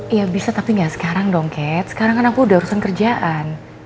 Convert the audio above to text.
ya bisa tapi gak sekarang dong cat sekarang kan aku udah urusan kerjaan